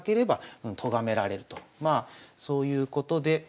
まあそういうことで。